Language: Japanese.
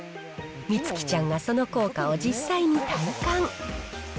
美月ちゃんがその効果を実際に体感。